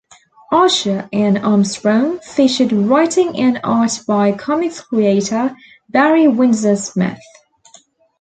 "Archer and Armstrong" featured writing and art by comics creator Barry Windsor-Smith.